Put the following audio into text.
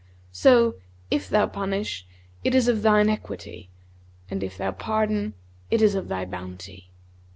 So, if thou punish, it is of thine equity, and if thou pardon, it is of thy bounty.'